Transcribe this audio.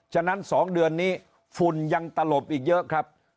ฉะนั้น๒เดือนนี้ฝุ่นยังตลบอีกเยอะครับ